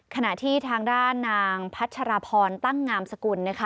ขณะที่ทางด้านนางพัชรพรตั้งงามสกุลนะคะ